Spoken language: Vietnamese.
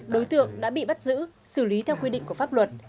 đối tượng đã bị bắt giữ xử lý theo quy định của pháp luật